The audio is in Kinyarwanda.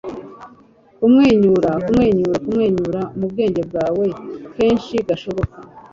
kumwenyura, kumwenyura, kumwenyura mu bwenge bwawe kenshi gashoboka